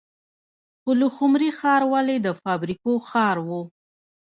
پلخمري ښار ولې د فابریکو ښار و؟